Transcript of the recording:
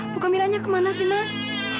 bu kamilahnya kemana sih mas